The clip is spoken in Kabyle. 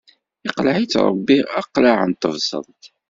Iqleɛ-itt Ṛebbi aqlaɛ n tebṣelt.